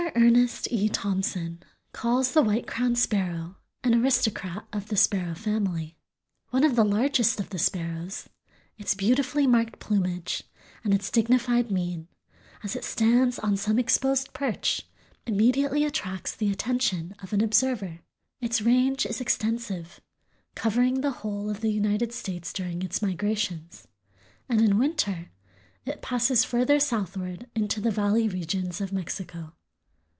Ernest E. Thompson calls the White crowned Sparrow an aristocrat of the sparrow family. One of the largest of the sparrows, its beautifully marked plumage and its dignified mien, as it stands on some exposed perch, immediately attracts the attention of an observer. Its range is extensive, covering the whole of the United States during its migrations, and in winter it passes further southward into the valley regions of Mexico.